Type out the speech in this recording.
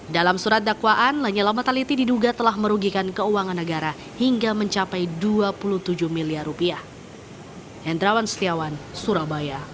dalam surat dakwaan lanyala mataliti diduga telah merugikan keuangan negara hingga mencapai dua puluh tujuh miliar rupiah